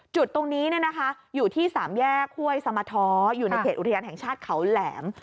จุดตรงนี้อยู่ที่สามแยกห้วยสมท้ออยู่ในเขตอุทยานแห่งชาติเขาแหลม